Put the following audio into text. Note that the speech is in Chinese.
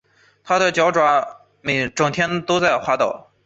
他的脚爪整天都在滑倒